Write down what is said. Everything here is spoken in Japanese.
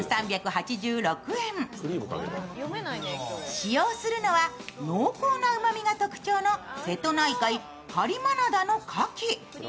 使用するのは濃厚なうまみが特徴の瀬戸内海・播磨灘のかき。